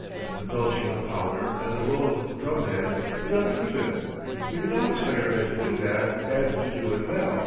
The belching of powder and the roll of drumhead do not prove it. We can always hire men to do that, and to do it well.